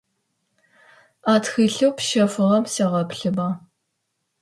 А тхылъэу пщэфыгъэм сегъэплъыба.